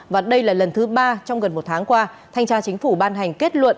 và đây là lần thứ ba trong gần một tháng qua thanh tra chính phủ ban hành kết luận